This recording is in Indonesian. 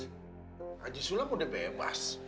pak haji sulam udah bebas